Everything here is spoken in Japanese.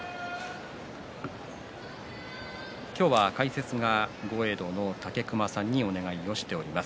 今日、解説が豪栄道の武隈さんにお願いをしています。